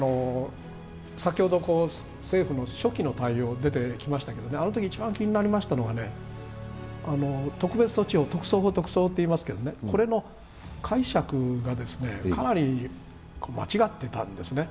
先ほど政府の初期の対応、出てきましたけどあのとき一番気になりましたのが、特例措置を特措法といいますけれども、これの解釈がかなり間違っていたんですね。